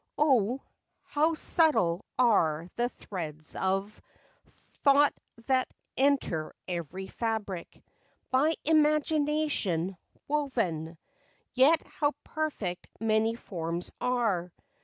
O, how subtile are the threads of Thought that enter every fabric By imagination woven; Yet how perfect many forms are!